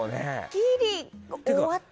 ギリ終わってる。